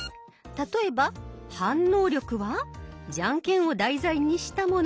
例えば「反応力」はじゃんけんを題材にしたもの。